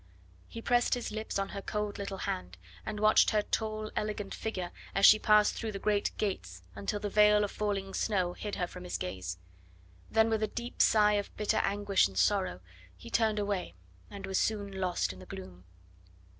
He pressed his lips on her cold little hand, and watched her tall, elegant figure as she passed through the great gates until the veil of falling snow hid her from his gaze. Then with a deep sigh of bitter anguish and sorrow he turned away and was soon lost in the gloom.